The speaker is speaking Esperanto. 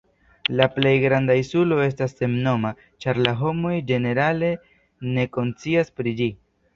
La plej granda insulo estas sennoma, ĉar la homoj ĝenerale ne konscias pri ĝi.